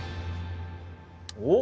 おっ！